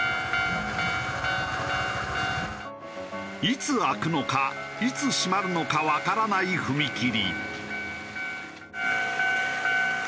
いつ開くのかいつ閉まるのかわからない踏切。